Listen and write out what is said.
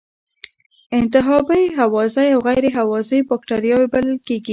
انتحابی هوازی او غیر هوازی بکټریاوې بلل کیږي.